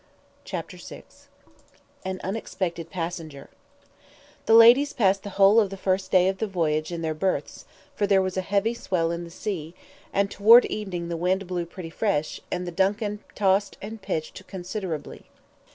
CHAPTER VI AN UNEXPECTED PASSENGER THE ladies passed the whole of the first day of the voyage in their berths, for there was a heavy swell in the sea, and toward evening the wind blew pretty fresh, and the DUNCAN tossed and pitched considerably.